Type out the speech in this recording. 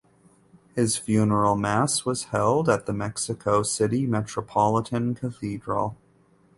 His funeral mass was held at the Mexico City Metropolitan Cathedral.